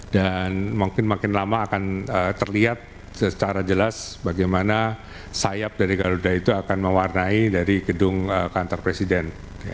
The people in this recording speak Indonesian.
dan mungkin makin lama akan terlihat secara jelas bagaimana sayap dari garuda itu akan mewarnai dari gedung kantor presiden